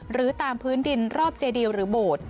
หรือตามพื้นดินรอบเจดีลหรือโบสถ์